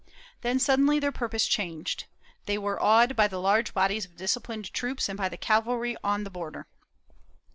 ^ Then suddenly their purpose changed. They were awed by the large bodies of dis ciplined troops and by the cavalry on the border.